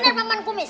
benar paman pumis